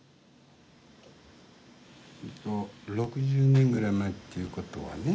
６０年ぐらい前っていうことはね